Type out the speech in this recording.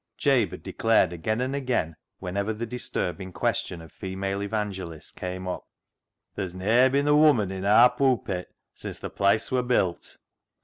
Jabe had declared again and again whenever the disturbing question of female evangelists came up —" There's ne'er bin a woman i' aar poopit sin' th' place wor built.